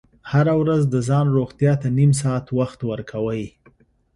هره ورځ د ځان روغتیا ته نیم ساعت وخت ورکوئ.